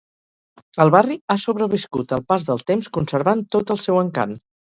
El barri ha sobreviscut al pas del temps, conservant tot el seu encant.